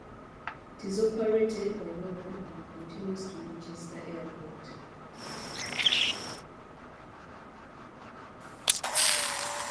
It is operated by Northern and continues to Manchester Airport.